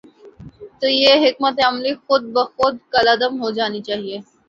تو یہ حکمت عملی خود بخود کالعدم ہو جا نی چاہیے۔